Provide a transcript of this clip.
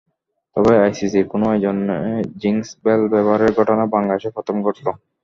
তবে আইসিসির কোনো আয়োজনে জিংস বেল ব্যবহারের ঘটনা বাংলাদেশে প্রথম ঘটল।